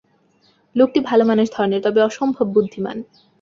লোকটি ভালোমানুষ ধরনের, তবে অসম্ভব বুদ্ধিমান।